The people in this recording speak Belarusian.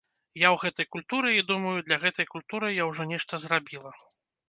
Я ў гэтай культуры, і, думаю, для гэтай культуры я ўжо нешта зрабіла.